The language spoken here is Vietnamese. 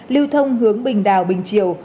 lưu thông hướng bình đào bình triều